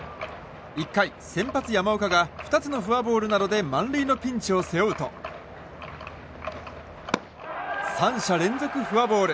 １回、先発、山岡が２つのフォアボールなどで満塁のピンチを背負うと３者連続フォアボール。